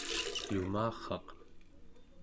lumarraq